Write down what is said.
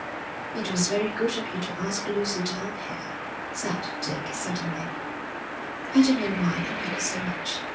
'It was very good of you to ask Lucy down here,' said Dick, suddenly. 'I don't know why. I like her so much.